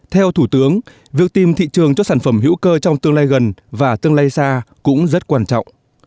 theo thủ tướng việc tìm thị trường cho sản phẩm hữu cơ trong tương lai gần và tương lai xa cũng rất quan trọng